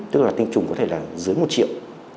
tức là tinh trùng có thể là dưới một triệu